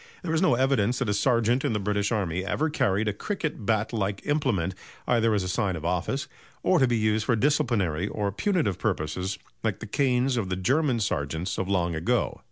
There is no evidence that a sergeant in the British army ever carried a cricket bat like implement either as a sign of office or to be used for disciplinary or punitive purposes like the canes of the German sergeants of long ago.